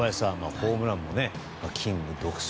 ホームランもキング独走。